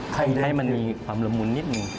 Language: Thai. ให้มันมีความละมุนนิดนึง